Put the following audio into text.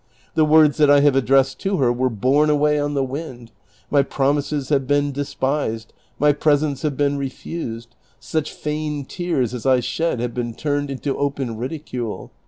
The words tliat I have addressed to her were borne away on the wind, my promises have been despised, my presents have been refused, such feigned tears as I shed have been turned into open ridicule.